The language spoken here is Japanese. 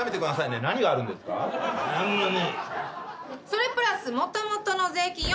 それプラスもともとの税金